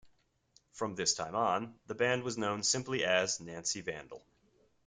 From this time on, the band was known simply as Nancy Vandal.